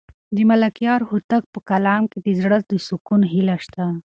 د ملکیار هوتک په کلام کې د زړه د سکون هیله شته.